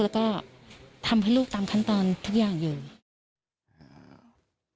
แล้วก็ทำให้ลูกตามขั้นตอนทุกอย่างอยู่